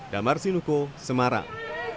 damar sinuko semarang